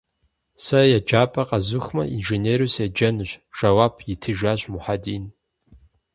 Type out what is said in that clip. Сэ еджапӏэр къэзухмэ, инженеру седжэнущ, - жэуап итыжащ Мухьэдин.